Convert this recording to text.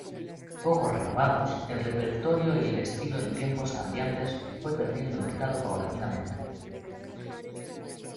Poco renovados el repertorio y el estilo en tiempos cambiantes, fue perdiendo mercado paulatinamente.